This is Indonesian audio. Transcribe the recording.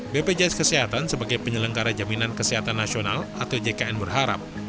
bpjs kesehatan sebagai penyelenggara jaminan kesehatan nasional atau jkn berharap